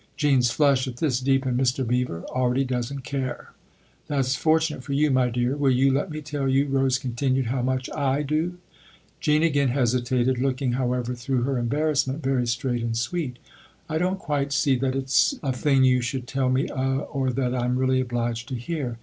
Jean's flush, at this, deepened. " Mr. Beever already doesn't care !"" That's fortunate for you, my dear ! Will you let me tell you," Rose continued, "how much /do ?" Jean again hesitated, looking, however, through her embarrassment, very straight and sweet. " I don't quite see that it's a thing you should tell me or that I'm really obliged to hear.